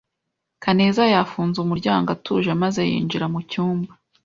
Kaneza yafunze umuryango atuje maze yinjira mu cyumba.